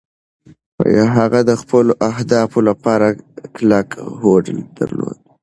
هغه د خپلو اهدافو لپاره کلک هوډ درلود.